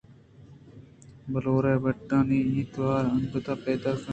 بلور ءُپلیٹانی توار انگت ءَ پیداک اَت